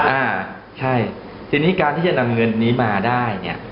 อ่าใช่ทีนี้การที่จะนำเงินนี้มาได้เนี่ย